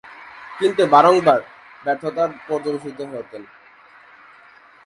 কিন্তু, বারংবার ব্যর্থতায় পর্যবসিত হতেন।